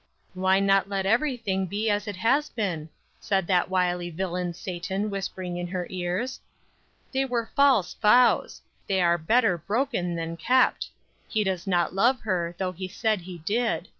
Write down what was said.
"Why not let everything be as it has been?" said that wily villain Satan, whispering in her ears. "They were false vows; they are better broken than kept. He does not love her, though he said he did.